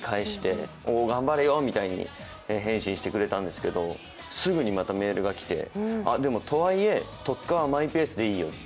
おお、頑張れよみたい返信したんですけど、すぐにまたメールがきて、「とはいえ、戸塚はマイペースでいいよ」って。